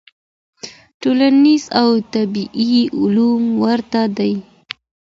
ټولنيز او طبيعي علوم ورته دي.